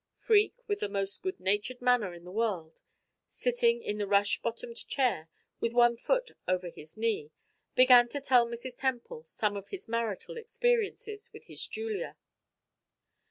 Freke, with the most good natured manner in the world, sitting in the rush bottomed chair, with one foot over his knee, began to tell Mrs. Temple some of his marital experiences with his Julia.